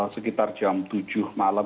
sekitar jam tujuh malam